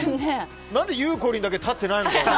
何でゆうこりんだけ立ってないの。